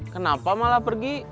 kenapa malah pergi